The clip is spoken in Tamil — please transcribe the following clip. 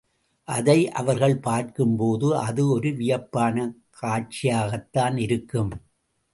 அதை அவர்கள் பார்க்கும்போது அது ஒரு வியப்பான காட்சியாகத்தான் இருக்கும்.